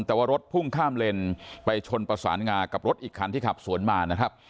แต่ว่ารถพุ่งข้ามเลนไปชนประสานงากับรถอีกคันที่ขับสวนมานะครับ